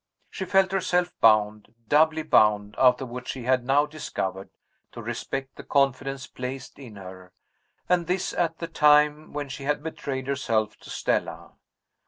She felt herself bound doubly bound, after what she had now discovered to respect the confidence placed in her; and this at the time when she had betrayed herself to Stella!